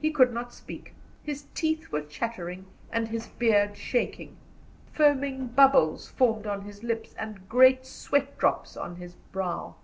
He could not speak. His teeth were chattering, and his beard shaking, foam bubbles formed on his lips, and great sweatdrops on his brow.